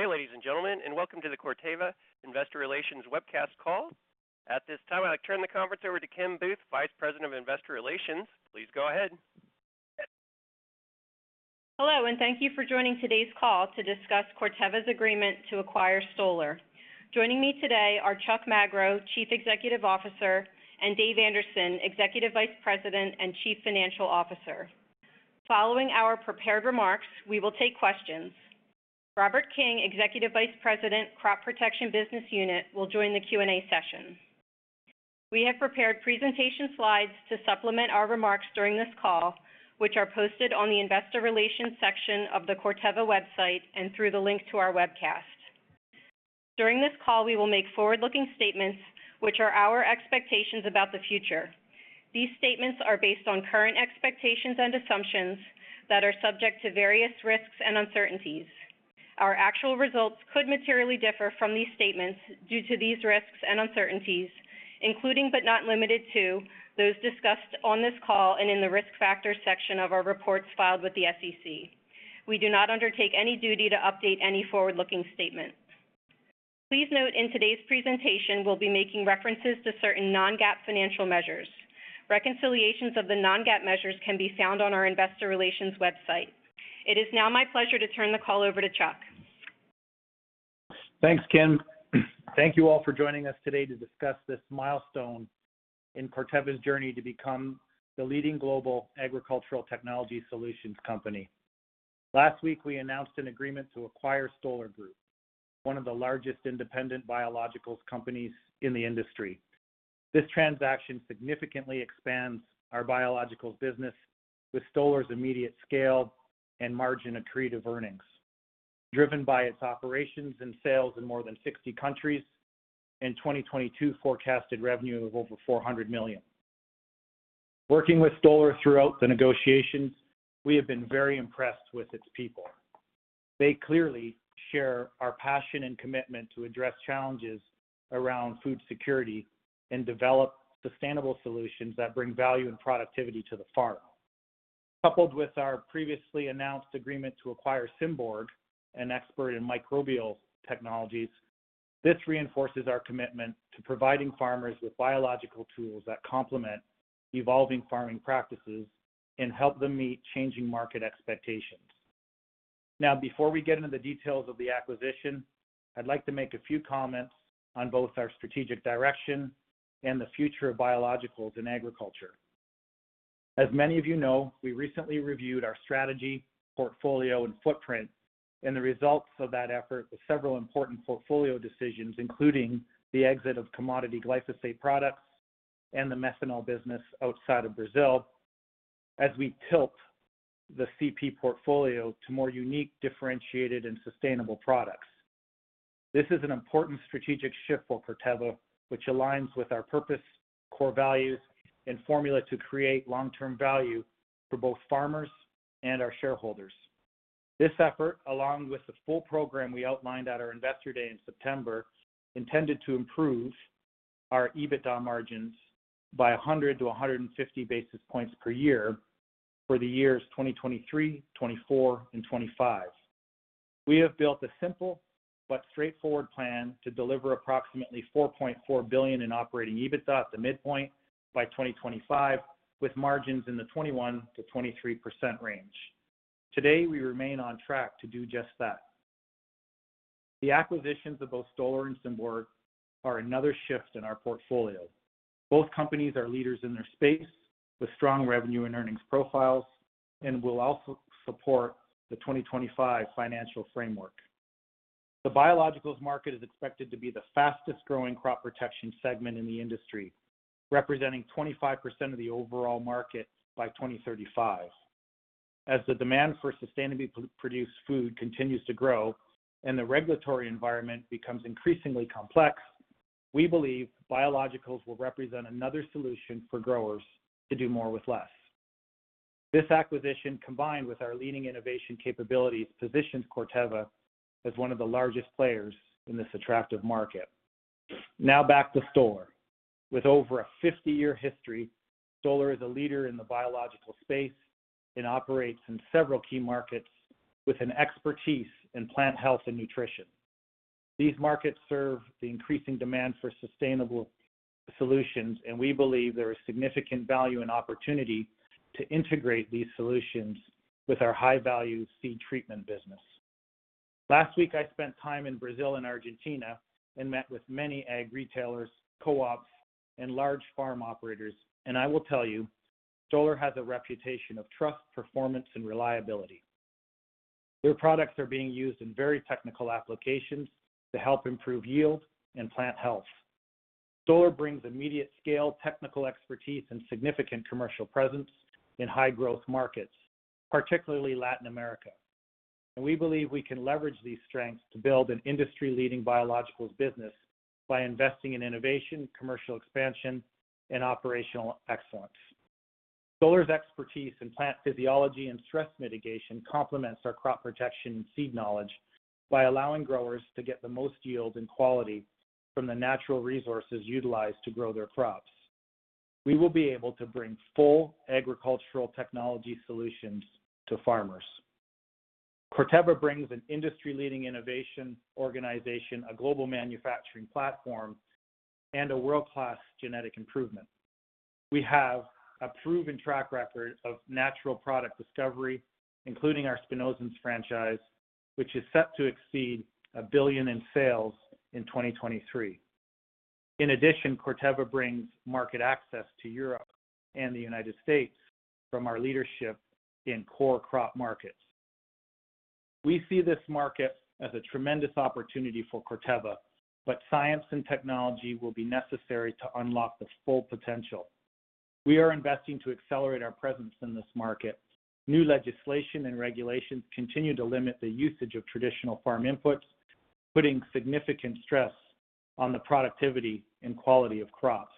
Good day, ladies and gentlemen. Welcome to the Corteva Investor Relations webcast call. At this time, I'd like to turn the conference over to Kim Booth, Vice President of Investor Relations. Please go ahead. Hello, and thank you for joining today's call to discuss Corteva's agreement to acquire Stoller. Joining me today are Chuck Magro, Chief Executive Officer, and Dave Anderson, Executive Vice President and Chief Financial Officer. Following our prepared remarks, we will take questions. Robert King, Executive Vice President, Crop Protection Business Unit, will join the Q&A session. We have prepared presentation slides to supplement our remarks during this call, which are posted on the Investor Relations section of the Corteva website and through the link to our webcast. During this call, we will make forward-looking statements which are our expectations about the future. These statements are based on current expectations and assumptions that are subject to various risks and uncertainties. Our actual results could materially differ from these statements due to these risks and uncertainties, including but not limited to those discussed on this call and in the Risk Factors section of our reports filed with the SEC. We do not undertake any duty to update any forward-looking statement. Please note in today's presentation, we'll be making references to certain non-GAAP financial measures. Reconciliations of the non-GAAP measures can be found on our Investor Relations website. It is now my pleasure to turn the call over to Chuck. Thanks, Kim. Thank you all for joining us today to discuss this milestone in Corteva's journey to become the leading global agricultural technology solutions company. Last week, we announced an agreement to acquire Stoller Group, one of the largest independent biologicals companies in the industry. This transaction significantly expands our biologicals business with Stoller's immediate scale and margin-accretive earnings, driven by its operations and sales in more than 60 countries and 2022 forecasted revenue of over $400 million. Working with Stoller throughout the negotiations, we have been very impressed with its people. They clearly share our passion and commitment to address challenges around food security and develop sustainable solutions that bring value and productivity to the farm. Coupled with our previously announced agreement to acquire Symborg, an expert in microbial technologies, this reinforces our commitment to providing farmers with biological tools that complement evolving farming practices and help them meet changing market expectations. Before we get into the details of the acquisition, I'd like to make a few comments on both our strategic direction and the future of biologicals in agriculture. As many of you know, we recently reviewed our strategy, portfolio, and footprint, and the results of that effort with several important portfolio decisions, including the exit of commodity glyphosate products and the methanol business outside of Brazil, as we tilt the CP portfolio to more unique, differentiated, and sustainable products. This is an important strategic shift for Corteva, which aligns with our purpose, core values, and formula to create long-term value for both farmers and our shareholders. This effort, along with the full program we outlined at our Investor Day in September, intended to improve our EBITDA margins by 100 to 150 basis points per year for the years 2023, 2024, and 2025. We have built a simple but straightforward plan to deliver approximately $4.4 billion in operating EBITDA at the midpoint by 2025, with margins in the 21%-23% range. Today, we remain on track to do just that. The acquisitions of both Stoller and Symborg are another shift in our portfolio. Both companies are leaders in their space with strong revenue and earnings profiles and will also support the 2025 financial framework. The biologicals market is expected to be the fastest-growing crop protection segment in the industry, representing 25% of the overall market by 2035. As the demand for sustainably produced food continues to grow and the regulatory environment becomes increasingly complex, we believe biologicals will represent another solution for growers to do more with less. This acquisition, combined with our leading innovation capabilities, positions Corteva as one of the largest players in this attractive market. Back to Stoller. With over a 50-year history, Stoller is a leader in the biological space and operates in several key markets with an expertise in plant health and nutrition. These markets serve the increasing demand for sustainable solutions, we believe there is significant value and opportunity to integrate these solutions with our high-value seed treatment business. Last week, I spent time in Brazil and Argentina and met with many ag retailers, co-ops, and large farm operators, I will tell you, Stoller has a reputation of trust, performance, and reliability. Their products are being used in very technical applications to help improve yield and plant health. Stoller brings immediate scale, technical expertise, and significant commercial presence in high-growth markets, particularly Latin America. We believe we can leverage these strengths to build an industry-leading biologicals business by investing in innovation, commercial expansion, and operational excellence. Stoller's expertise in plant physiology and stress mitigation complements our crop protection and seed knowledge by allowing growers to get the most yield and quality from the natural resources utilized to grow their crops. We will be able to bring full agricultural technology solutions to farmers. Corteva brings an industry-leading innovation organization, a global manufacturing platform, and a world-class genetic improvement. We have a proven track record of natural product discovery, including our spinosyns franchise, which is set to exceed $1 billion in sales in 2023. In addition, Corteva brings market access to Europe and the United States from our leadership in core crop markets. We see this market as a tremendous opportunity for Corteva, but science and technology will be necessary to unlock the full potential. We are investing to accelerate our presence in this market. New legislation and regulations continue to limit the usage of traditional farm inputs, putting significant stress on the productivity and quality of crops.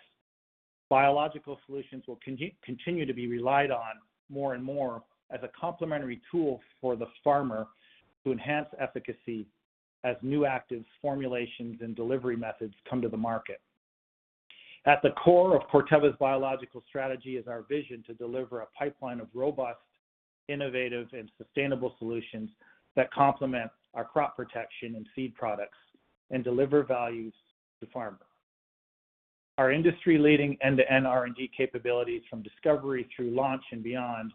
Biological solutions will continue to be relied on more and more as a complementary tool for the farmer to enhance efficacy as new actives, formulations, and delivery methods come to the market. At the core of Corteva's biological strategy is our vision to deliver a pipeline of robust, innovative, and sustainable solutions that complement our crop protection and seed products and deliver values to farmers. Our industry-leading end-to-end R&D capabilities from discovery through launch and beyond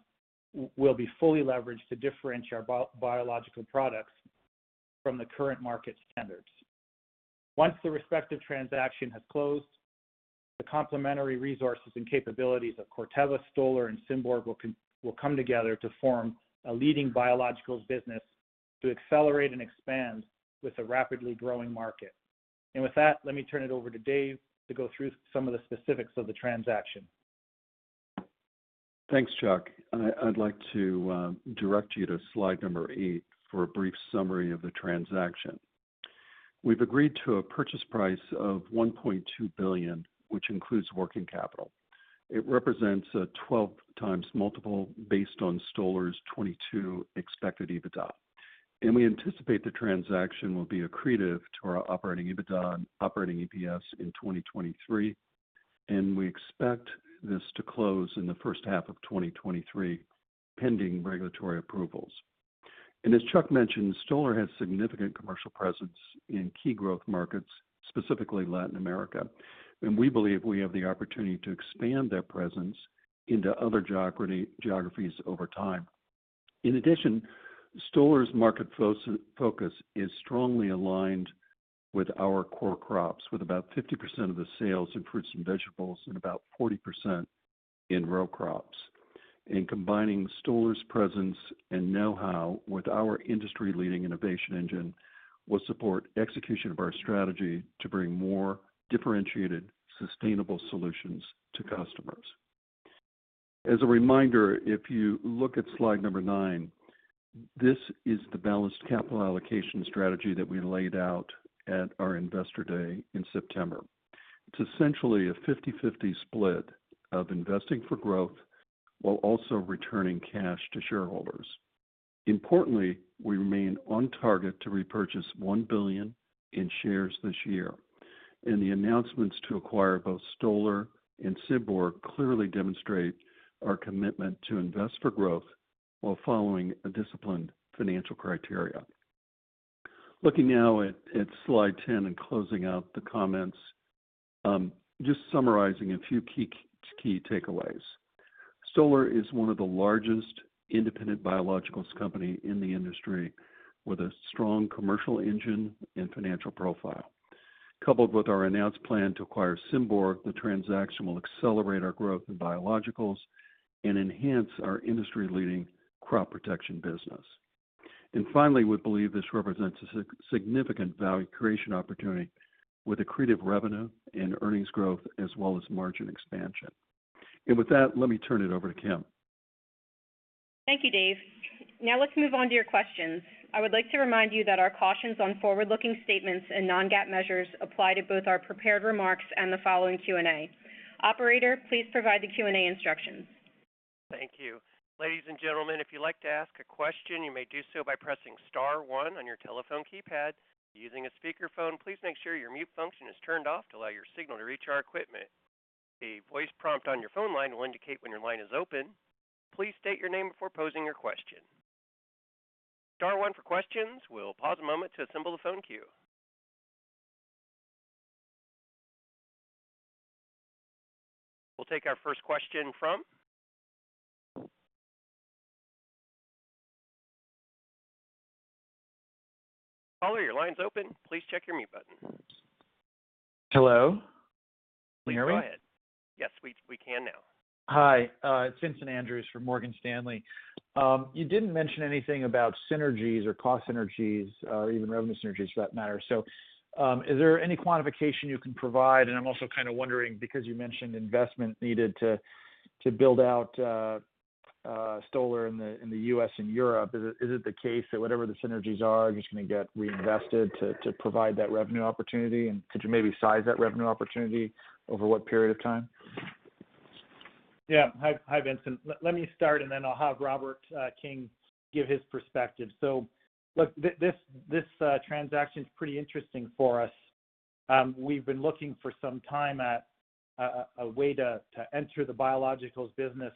will be fully leveraged to differentiate our biological products from the current market standards. Once the respective transaction has closed, the complementary resources and capabilities of Corteva, Stoller, and Symborg will come together to form a leading biological business to accelerate and expand with a rapidly growing market. With that, let me turn it over to Dave to go through some of the specifics of the transaction. Thanks, Chuck. I'd like to direct you to slide eight for a brief summary of the transaction. We've agreed to a purchase price of $1.2 billion, which includes working capital. It represents a 12x multiple based on Stoller's 2022 expected EBITDA. We anticipate the transaction will be accretive to our operating EBITDA and operating EPS in 2023, and we expect this to close in the first half of 2023, pending regulatory approvals. As Chuck mentioned, Stoller has significant commercial presence in key growth markets, specifically Latin America, and we believe we have the opportunity to expand their presence into other geographies over time. In addition, Stoller's market focus is strongly aligned with our core crops, with about 50% of the sales in fruits and vegetables and about 40% in row crops. In combining Stoller's presence and know-how with our industry-leading innovation engine will support execution of our strategy to bring more differentiated, sustainable solutions to customers. As a reminder, if you look at slide number nine, this is the balanced capital allocation strategy that we laid out at our Investor Day in September. It's essentially a 50/50 split of investing for growth while also returning cash to shareholders. Importantly, we remain on target to repurchase $1 billion in shares this year. The announcements to acquire both Stoller and Symborg clearly demonstrate our commitment to invest for growth while following a disciplined financial criteria. Looking now at slide 10, closing out the comments, just summarizing a few key takeaways. Stoller is one of the largest independent biologicals company in the industry with a strong commercial engine and financial profile. Coupled with our announced plan to acquire Symborg, the transaction will accelerate our growth in biologicals and enhance our industry-leading crop protection business. Finally, we believe this represents a significant value creation opportunity with accretive revenue and earnings growth as well as margin expansion. With that, let me turn it over to Kim. Thank you, Dave. Let's move on to your questions. I would like to remind you that our cautions on forward-looking statements and non-GAAP measures apply to both our prepared remarks and the following Q&A. Operator, please provide the Q&A instructions. Thank you. Ladies and gentlemen, if you'd like to ask a question, you may do so by pressing star one on your telephone keypad. If you're using a speakerphone, please make sure your mute function is turned off to allow your signal to reach our equipment. A voice prompt on your phone line will indicate when your line is open. Please state your name before posing your question. Star one for questions. We'll pause a moment to assemble the phone queue. We'll take our first question from, Caller, your line's open. Please check your mute button. Hello? Can you hear me? Please go ahead. Yes, we can now. Hi, it's Vincent Andrews from Morgan Stanley. You didn't mention anything about synergies or cost synergies, or even revenue synergies for that matter. Is there any quantification you can provide? I'm also kind of wondering, because you mentioned investment needed to build out Stoller in the U.S. and Europe, is it the case that whatever the synergies are just gonna get reinvested to provide that revenue opportunity? Could you maybe size that revenue opportunity over what period of time? Yeah. Hi, Vincent. Let me start and then I'll have Robert King give his perspective. Look, this transaction's pretty interesting for us. We've been looking for some time at a way to enter the biologicals business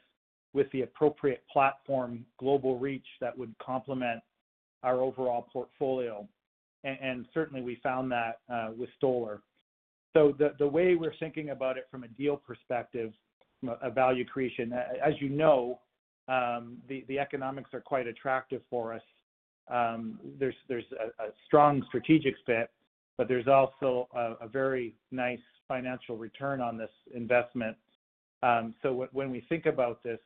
with the appropriate platform, global reach that would complement our overall portfolio. Certainly we found that with Stoller. The way we're thinking about it from a deal perspective, value creation, as you know, the economics are quite attractive for us. There's a strong strategic fit, but there's also a very nice financial return on this investment. When we think about this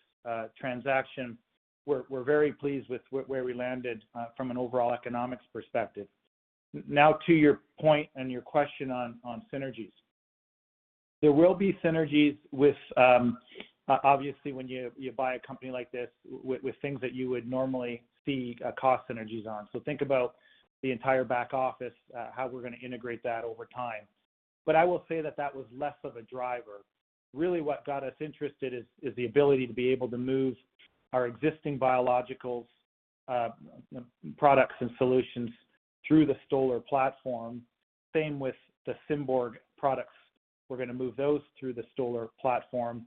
transaction, we're very pleased with where we landed from an overall economics perspective. Now, to your point and your question on synergies. There will be synergies with. Obviously, when you buy a company like this with things that you would normally see, cost synergies on. Think about the entire back office, how we're gonna integrate that over time. I will say that that was less of a driver. Really, what got us interested is the ability to be able to move our existing biologicals products and solutions through the Stoller platform. Same with the Symborg products. We're gonna move those through the Stoller platform.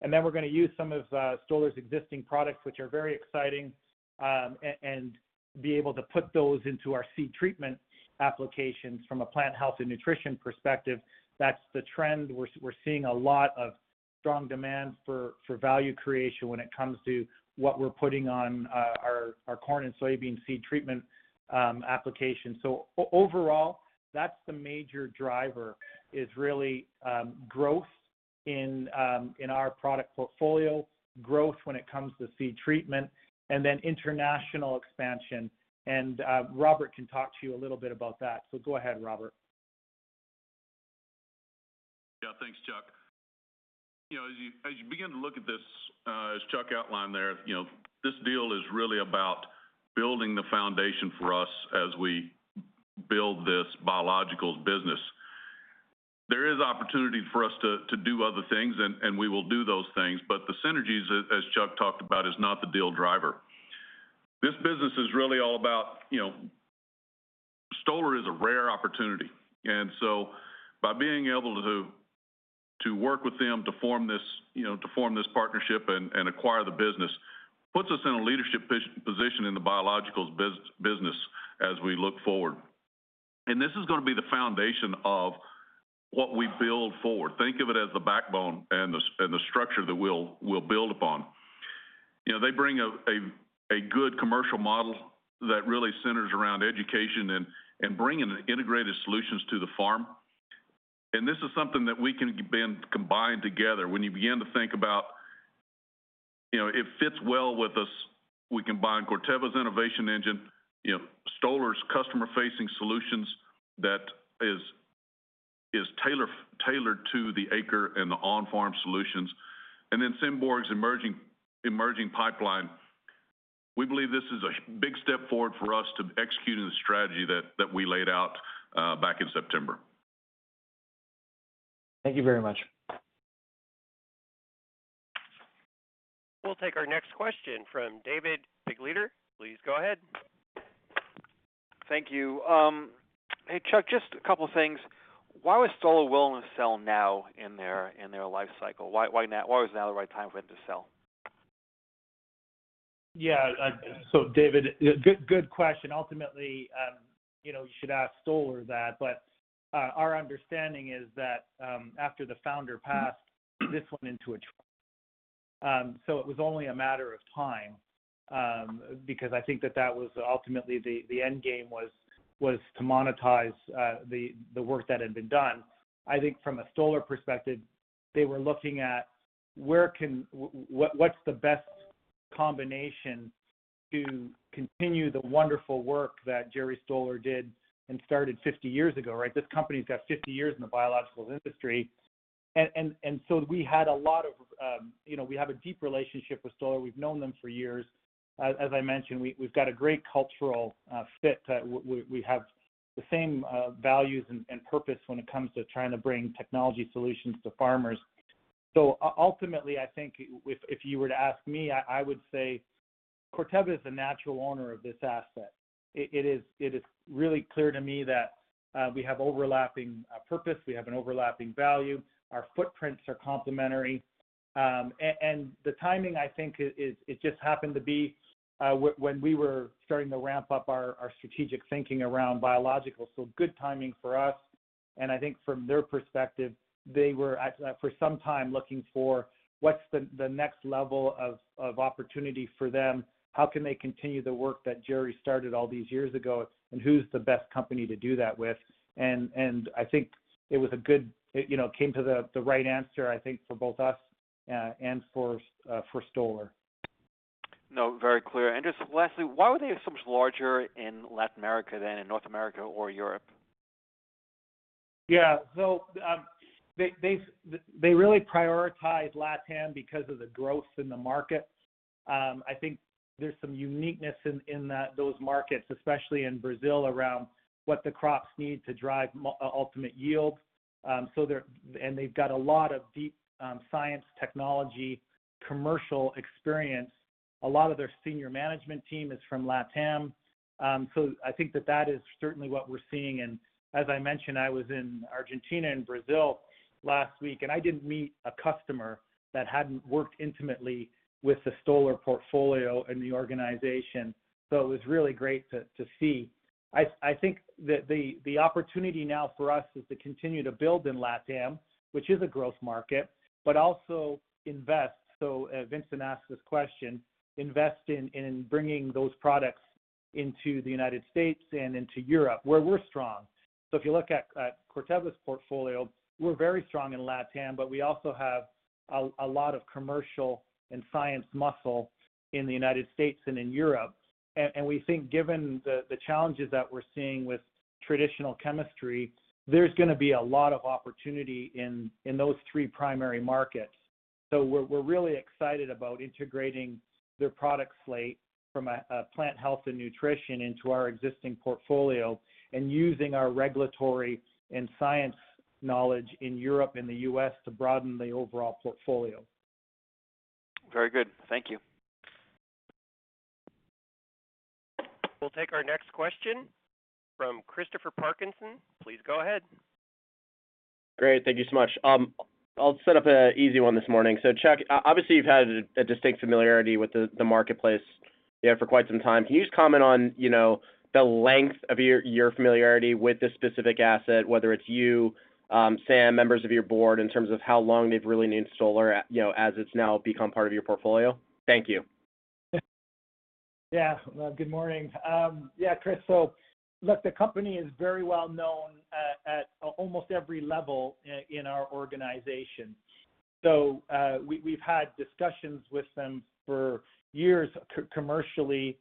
Then we're gonna use some of Stoller's existing products, which are very exciting, and be able to put those into our seed treatment applications from a plant health and nutrition perspective. That's the trend. We're seeing a lot of strong demand for value creation when it comes to what we're putting on our corn and soybean seed treatment application. Overall, that's the major driver, is really growth in our product portfolio, growth when it comes to seed treatment, and then international expansion. Robert can talk to you a little bit about that. Go ahead, Robert. Yeah. Thanks, Chuck. You know, as you begin to look at this, as Chuck outlined there, you know, this deal is really about building the foundation for us as we build this biologicals business. There is opportunity for us to do other things, and we will do those things, but the synergies, as Chuck talked about, is not the deal driver. This business is really all about, you know, Stoller is a rare opportunity. By being able to work with them to form this, you know, to form this partnership and acquire the business, puts us in a leadership position in the biologicals business as we look forward. This is gonna be the foundation of what we build forward. Think of it as the backbone and the structure that we'll build upon. You know, they bring a good commercial model that really centers around education and bringing integrated solutions to the farm. This is something that we can then combine together. When you begin to think about, you know, it fits well with us. We combine Corteva's innovation engine, you know, Stoller's customer-facing solutions that is tailor-tailored to the acre and the on-farm solutions, and then Symborg's emerging pipeline. We believe this is a big step forward for us to executing the strategy that we laid out back in September. Thank you very much. We'll take our next question from David Begleiter. Please go ahead. Thank you. Hey, Chuck, just a couple things. Why was Stoller willing to sell now in their life cycle? Why now? Why was now the right time for them to sell? Yeah. David, good question. Ultimately, you know, you should ask Stoller that. Our understanding is that after the founder passed, this went into a trust. It was only a matter of time because I think that was ultimately the end game was to monetize the work that had been done. I think from a Stoller perspective, they were looking at what's the best combination to continue the wonderful work that Jerry Stoller did and started 50 years ago, right? This company's got 50 years in the biologicals industry. We had a lot of, you know, we have a deep relationship with Stoller. We've known them for years. As I mentioned, we've got a great cultural fit. We have the same values and purpose when it comes to trying to bring technology solutions to farmers. Ultimately, I think if you were to ask me, I would say Corteva is the natural owner of this asset. It is really clear to me that we have overlapping purpose, we have an overlapping value, our footprints are complementary. And the timing, I think, it just happened to be when we were starting to ramp up our strategic thinking around biologicals. Good timing for us. I think from their perspective, they were actually for some time looking for what's the next level of opportunity for them. How can they continue the work that Jerry started all these years ago, and who's the best company to do that with? I think, you know, came to the right answer, I think, for both us, and for Stoller. No, very clear. Just lastly, why were they so much larger in Latin America than in North America or Europe? They really prioritized LatAm because of the growth in the market. I think there's some uniqueness in those markets, especially in Brazil, around what the crops need to drive ultimate yield. They've got a lot of deep science technology, commercial experience. A lot of their senior management team is from LatAm. I think that that is certainly what we're seeing. As I mentioned, I was in Argentina and Brazil last week, and I didn't meet a customer that hadn't worked intimately with the Stoller portfolio and the organization. It was really great to see. I think that the opportunity now for us is to continue to build in LatAm, which is a growth market, but also invest. Vincent asked this question, invest in bringing those products into the United States and into Europe where we're strong. If you look at Corteva's portfolio, we're very strong in LatAm, but we also have a lot of commercial and science muscle in the United States and in Europe. We think given the challenges that we're seeing with traditional chemistry, there's gonna be a lot of opportunity in those three primary markets. We're really excited about integrating their product slate from a plant health and nutrition into our existing portfolio and using our regulatory and science knowledge in Europe and the U.S. to broaden the overall portfolio. Very good. Thank you. We'll take our next question from Christopher Parkinson. Please go ahead. Great. Thank you so much. I'll set up an easy one this morning. Chuck, obviously, you've had a distinct familiarity with the marketplace for quite some time. Can you just comment on, you know, the length of your familiarity with this specific asset, whether it's you, Sam, members of your board, in terms of how long they've really known Stoller, you know, as it's now become part of your portfolio? Thank you. Well, good morning. Yeah, Chris, so look, the company is very well known at almost every level in our organization. We've had discussions with them for years commercially,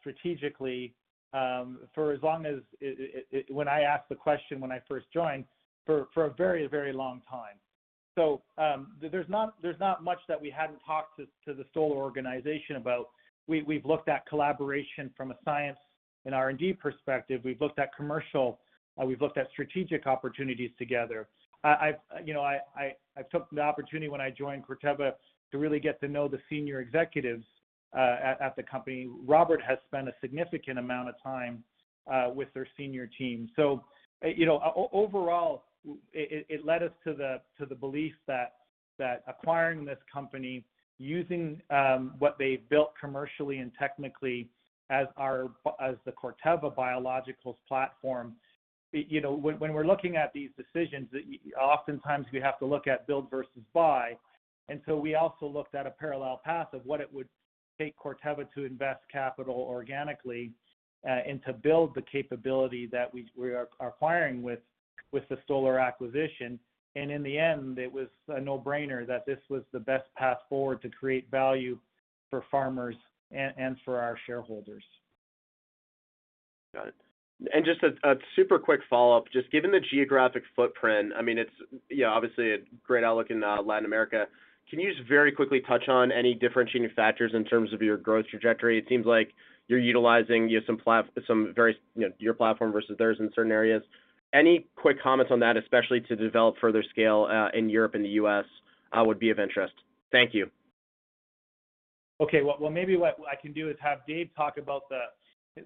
strategically, for as long as it. When I asked the question when I first joined, for a very, very long time. There's not much that we hadn't talked to the Stoller organization about. We've looked at collaboration from a science and R&D perspective. We've looked at commercial. We've looked at strategic opportunities together. I, you know, I took the opportunity when I joined Corteva to really get to know the senior executives at the company. Robert has spent a significant amount of time with their senior team. You know, overall, it led us to the belief that acquiring this company using what they built commercially and technically as our Corteva Biologicals platform. You know, when we're looking at these decisions, oftentimes we have to look at build versus buy. We also looked at a parallel path of what it would take Corteva to invest capital organically and to build the capability that we are acquiring with the Stoller acquisition. In the end, it was a no-brainer that this was the best path forward to create value for farmers and for our shareholders. Got it. Just a super quick follow-up. Just given the geographic footprint, I mean, it's, you know, obviously a great outlook in Latin America. Can you just very quickly touch on any differentiating factors in terms of your growth trajectory? It seems like you're utilizing, you have some very, you know, your platform versus theirs in certain areas. Any quick comments on that, especially to develop further scale in Europe and the U.S. would be of interest. Thank you. Well, maybe what I can do is have Dave talk about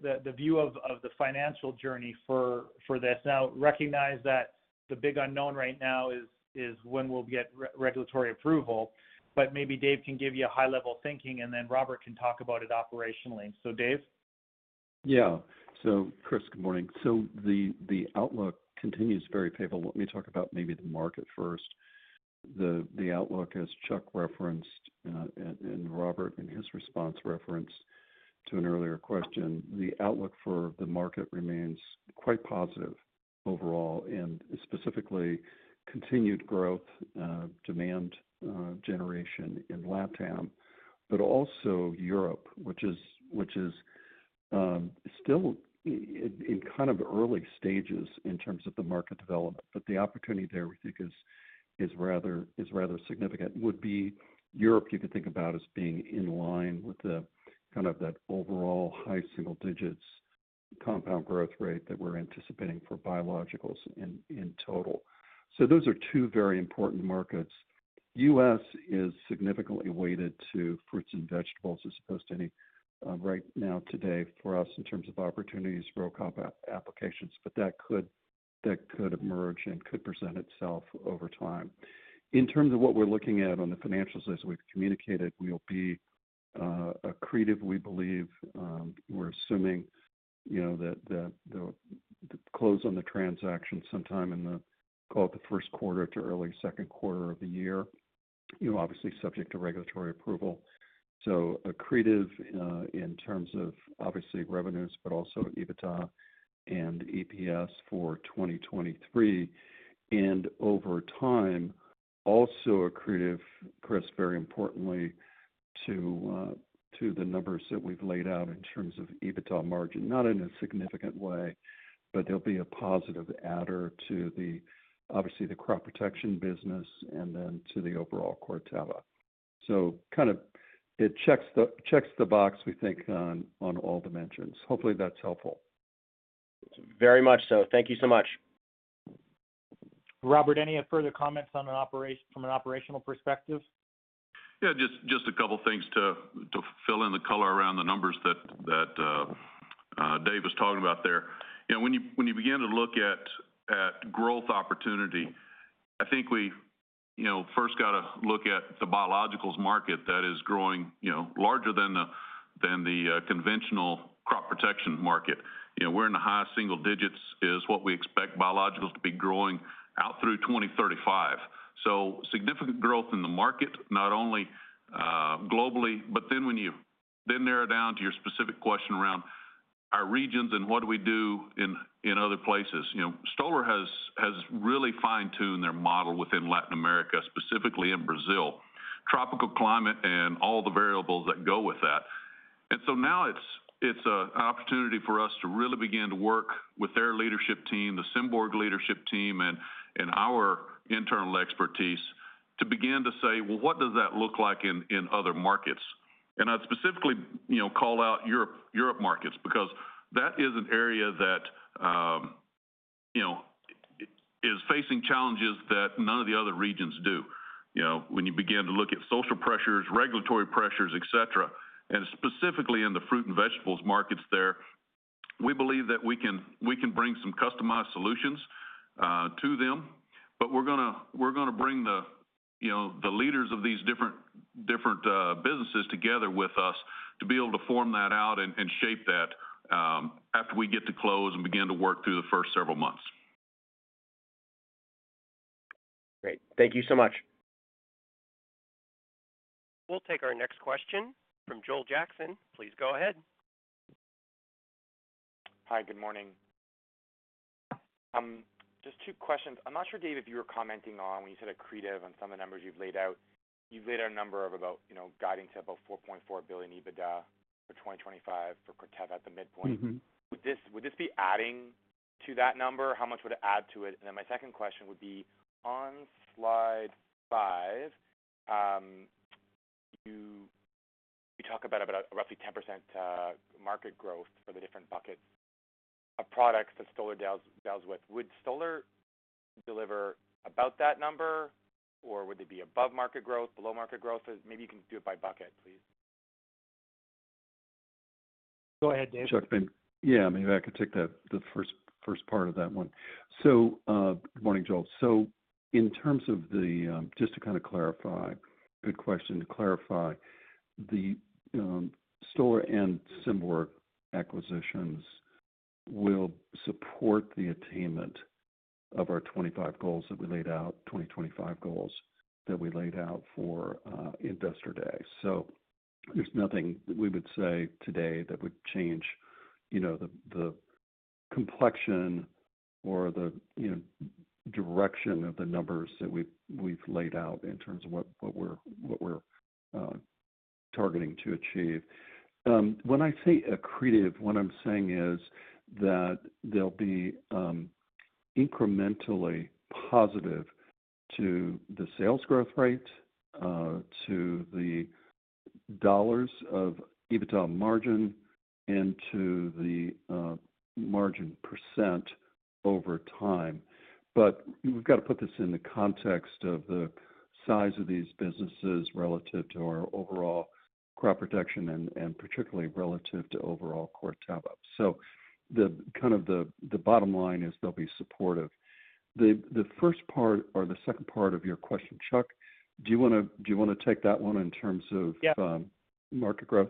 the view of the financial journey for this. Recognize that the big unknown right now is when we'll get regulatory approval. Maybe Dave can give you a high-level thinking, and then Robert can talk about it operationally. Dave? Yeah. Chris, good morning. The outlook continues very favorable. Let me talk about maybe the market first. The outlook, as Chuck referenced, and Robert in his response referenced to an earlier question. The outlook for the market remains quite positive overall and specifically continued growth demand generation in LatAm, but also Europe, which is still in kind of early stages in terms of the market development. The opportunity there we think is rather significant. Would be Europe you could think about as being in line with the kind of that overall high single digits compound growth rate that we're anticipating for biologicals in total. Those are two very important markets. U.S. is significantly weighted to fruits and vegetables as opposed to any, right now today for us in terms of opportunities for applications. That could emerge and could present itself over time. In terms of what we're looking at on the financials, as we've communicated, we'll be accretive, we believe. We're assuming, you know, that the close on the transaction sometime in the, call it the Q1 to early Q2 of the year, you know, obviously subject to regulatory approval. Accretive in terms of obviously revenues, but also EBITDA and EPS for 2023. Over time, also accretive, Chris, very importantly, to the numbers that we've laid out in terms of EBITDA margin, not in a significant way, but they'll be a positive adder to the, obviously, the crop protection business and then to the overall Corteva. Kind of it checks the box, we think on all dimensions. Hopefully, that's helpful. Very much so. Thank you so much. Robert, any further comments on an operational perspective? Yeah, just a couple of things to fill in the color around the numbers that Dave was talking about there. You know, when you begin to look at growth opportunity, I think we, you know, first got to look at the biologicals market that is growing, you know, larger than the conventional crop protection market. You know, we're in the highest single digits is what we expect biologicals to be growing out through 2035. Significant growth in the market, not only globally, but when you narrow down to your specific question around our regions and what do we do in other places. You know, Stoller has really fine-tuned their model within Latin America, specifically in Brazil. Tropical climate and all the variables that go with that. Now it's a opportunity for us to really begin to work with their leadership team, the Symborg leadership team and our internal expertise to begin to say, "Well, what does that look like in other markets?" I'd specifically, you know, call out Europe markets because that is an area that, you know, is facing challenges that none of the other regions do. You know, when you begin to look at social pressures, regulatory pressures, et cetera, and specifically in the fruit and vegetables markets there, we believe that we can bring some customized solutions to them. We're gonna bring the, you know, the leaders of these different businesses together with us to be able to form that out and shape that after we get to close and begin to work through the first several months. Great. Thank you so much. We'll take our next question from Joel Jackson. Please go ahead. Hi, good morning. Just two questions. I'm not sure, Dave, if you were commenting on when you said accretive on some of the numbers you've laid out. You've laid out a number of about, you know, guiding to about $4.4 billion EBITDA for 2025 for Corteva at the midpoint. Would this be adding to that number? How much would it add to it? My second question would be on slide five, you talk about roughly 10% market growth for the different buckets of products that Stoller deals with. Would Stoller deliver about that number, or would they be above market growth, below market growth? Maybe you can do it by bucket, please. Go ahead, Dave. Chuck, yeah, maybe I could take the first part of that one. Good morning, Joel. In terms of the, just to kind of clarify. Good question. To clarify, the Stoller and Symborg acquisitions will support the attainment of our 25 goals that we laid out, 2025 goals that we laid out for Investor Day. There's nothing that we would say today that would change, you know, the complexion or the, you know, direction of the numbers that we've laid out in terms of what we're targeting to achieve. When I say accretive, what I'm saying is that they'll be incrementally positive to the sales growth rate, to the dollars of EBITDA margin and to the margin percent over time. We've got to put this in the context of the size of these businesses relative to our overall crop protection and particularly relative to overall Corteva. The kind of the bottom line is they'll be supportive. The first part or the second part of your question, Chuck, do you wanna take that one in terms of. Yeah. Market growth?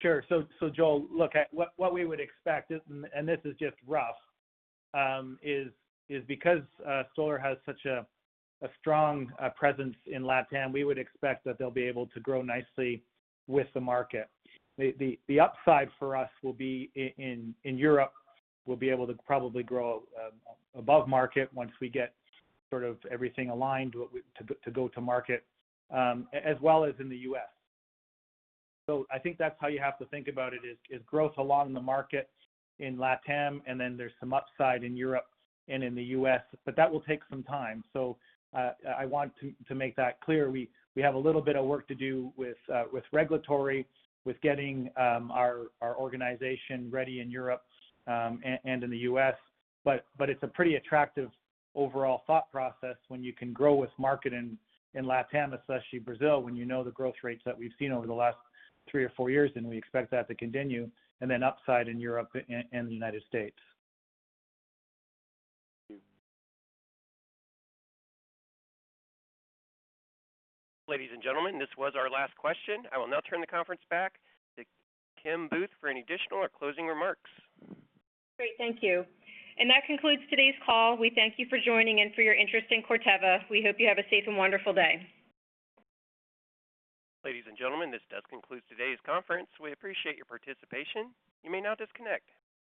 Sure. Joel, look, what we would expect, and this is just rough, is because Stoller has such a strong presence in LatAm, we would expect that they'll be able to grow nicely with the market. The upside for us will be in Europe, we'll be able to probably grow above market once we get sort of everything aligned to go to market, as well as in the U.S. I think that's how you have to think about it is growth along the market in LatAm, and then there's some upside in Europe and in the U.S., but that will take some time. I want to make that clear. We have a little bit of work to do with regulatory, with getting our organization ready in Europe and in the U.S. It's a pretty attractive overall thought process when you can grow with market in LatAm, especially Brazil, when you know the growth rates that we've seen over the last three or four years, and we expect that to continue, and then upside in Europe and the United States. Thank you. Ladies and gentlemen, this was our last question. I will now turn the conference back to Kim Booth for any additional or closing remarks. Great. Thank you. That concludes today's call. We thank you for joining and for your interest in Corteva. We hope you have a safe and wonderful day. Ladies and gentlemen, this does conclude today's conference. We appreciate your participation. You may now disconnect.